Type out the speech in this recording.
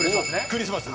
クリスマス。